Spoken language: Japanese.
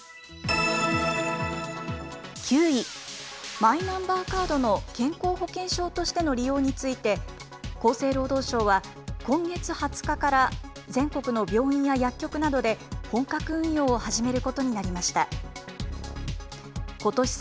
９位、マイナンバーカードの健康保険証としての利用について、厚生労働省は、今月２０日から全国の病院や薬局などで本格運用を始めることになりました。